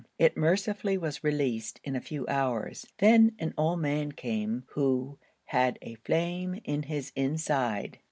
It mercifully was released in a few hours. Then an old man came who 'had a flame in his inside.'